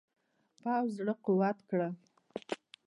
پوځ زړه قوت کړ.